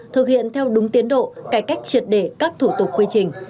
thực hiện theo đúng tiến độ cải cách triệt để các thủ tục quy trình